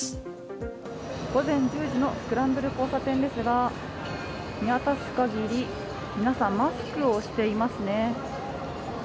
午前１０時のスクランブル交差点ですが見渡すかぎり、皆さん、マスクをしていますね。